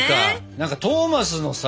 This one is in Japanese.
何かトーマスのさ